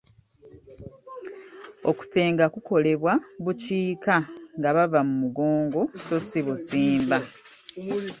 Okutenga kukolebwa bukiika nga bava mu mugongo sso si busimba.